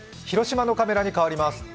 広島のカメラに変わります。